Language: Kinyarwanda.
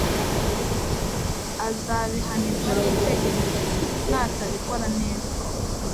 azabihanirwa n'itegeko, natabikora neza